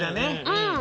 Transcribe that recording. うん！